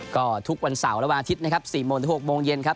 ก็ทุกวันเสาร์และวันอาทิตย์นะครับ๔โมงถึง๖โมงเย็นครับ